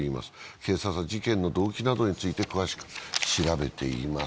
警察は事件の動機などについて詳しく調べています。